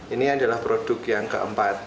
ini adalah produk yang keempat